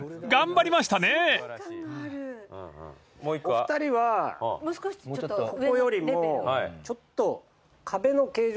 お二人はここよりもちょっと壁の形状。